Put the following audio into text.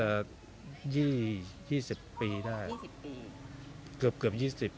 ได้ล่ะน่าจะยี่ยี่สิบปีได้ยี่สิบปีเกือบเกือบยี่สิบ